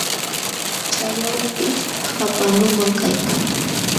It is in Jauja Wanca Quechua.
Chay awkish qapaq nunam kaykan.